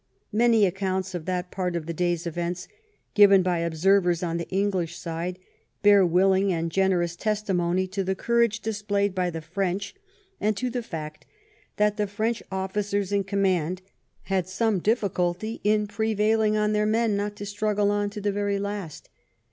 Many accounts of that part of the day's events given by observers on the English side bear willing and generous testimony to the courage dis played by the French and to the fact that the French officers in command had some difficulty in prevailing on their men not to stru^le on to the very last.